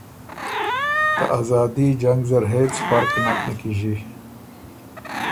ته ازادي جنګ زر هېڅ فرخ نک نیکیݫی۔